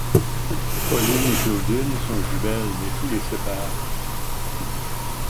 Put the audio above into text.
Pauline et Claudine sont jumelles mais tout les sépare.